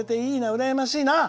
うらやましいな。